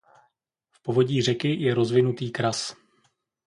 V povodí řeky je rozvinutý kras.